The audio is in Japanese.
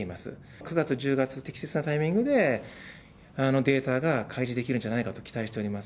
９月、１０月、適切なタイミングで、データが開示できるんじゃないかと期待しております。